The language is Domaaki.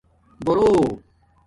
بررݸ